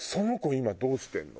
今どうしてるの？